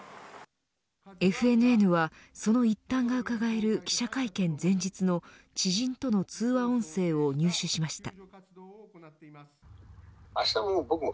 ＦＮＮはその一端がうかがえる記者会見前日の知人との通話音声を入手しました。